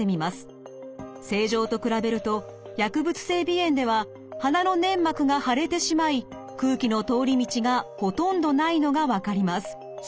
正常と比べると薬物性鼻炎では鼻の粘膜が腫れてしまい空気の通り道がほとんどないのが分かります。